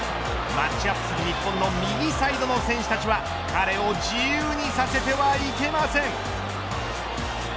マッチアップする日本の右サイドの選手たちは彼を自由にさせてはいけません。